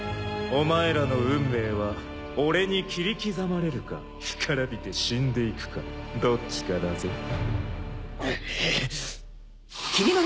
お前らの運命は俺に切り刻まれるか干からびて死んでいくかどっちかだぜ。